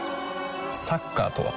サッカーとは？